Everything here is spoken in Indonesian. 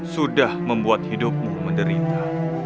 sudah membuat hidupmu menderita